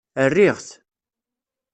Rriɣ-t.